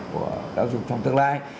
của giáo dục trong tương lai